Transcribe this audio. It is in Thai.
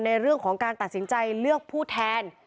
ในเรื่องของการตัดสินใจเลือกผู้แทน